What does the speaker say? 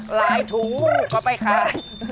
หลายถุงเผื่อไปขาย